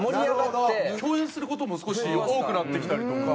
共演する事も少し多くなってきたりとか。